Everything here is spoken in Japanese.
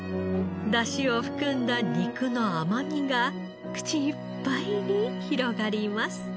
出汁を含んだ肉の甘みが口いっぱいに広がります。